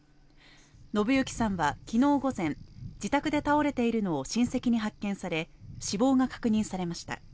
信行さんは昨日午前、自宅で倒れているのを親戚に発見され、死亡が確認されました。